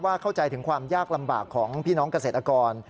เข้าใจถึงความยากลำบากของพี่น้องเกษตรกร